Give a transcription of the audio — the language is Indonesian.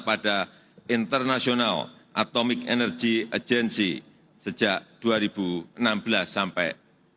pada international atomic energy agency sejak dua ribu enam belas sampai dua ribu dua puluh